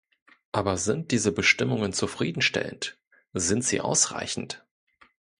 Aber sind diese Bestimmungen zufriedenstellend, sind sie ausreichend?